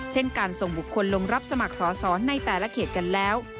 เช่นการส่งบุคคลลงรับสมัครสอสอในแต่ละเขตกันแล้ว